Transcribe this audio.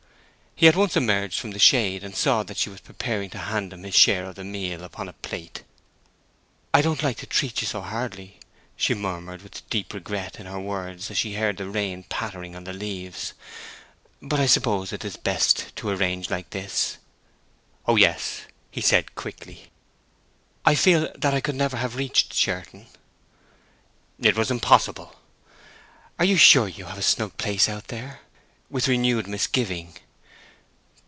He at once emerged from the shade, and saw that she was preparing to hand him his share of the meal upon a plate. "I don't like to treat you so hardly," she murmured, with deep regret in her words as she heard the rain pattering on the leaves. "But—I suppose it is best to arrange like this?" "Oh yes," he said, quickly. "I feel that I could never have reached Sherton." "It was impossible." "Are you sure you have a snug place out there?" (With renewed misgiving.)